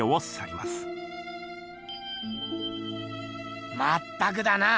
まったくだな。